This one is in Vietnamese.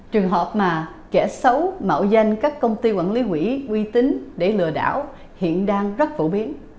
trường hợp mà kẻ xấu mạo danh các công ty quản lý quỹ quy tính để lừa đảo hiện đang rất phổ biến